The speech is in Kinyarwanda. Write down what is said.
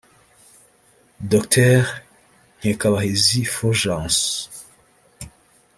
Dr Nkikabahizi Fulgence